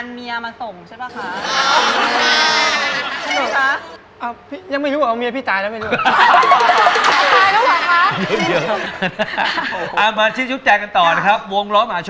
ใครนำสรุปใครนำอ๋อนี่ใช่ไหม